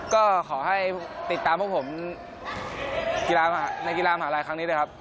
ก็ขอให้ติดตามพวกผมกีฬาในกีฬามหาลัยครั้งนี้ด้วยครับ